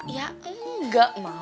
ya enggak ma